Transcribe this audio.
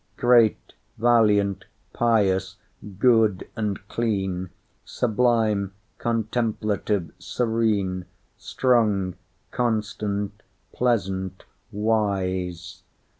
Great, valiant, pious, good, and clean, Sublime, contemplative, serene, Strong, constant, pleasant, wise!